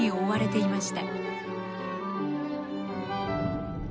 いました。